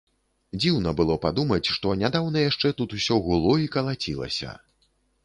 Дзіўна было падумаць, што нядаўна яшчэ тут усё гуло і калацілася.